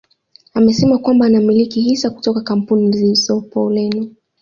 Amesema kwamba anamiliki hisa kutoka kampuni zilizopo Ureno